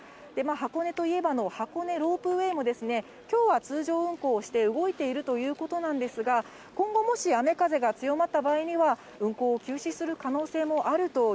箱根といえばの、箱根ロープウェイもきょうは通常運行をして動いているということなんですが、今後、もし雨風が強まった場合は、運行を休止する可